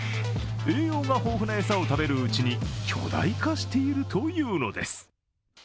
栄養が豊富な餌を食べるうちに巨大化しているというのです。